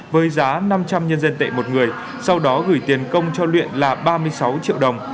với giá năm trăm linh nhân dân tệ một người sau đó gửi tiền công cho luyện là ba mươi sáu triệu đồng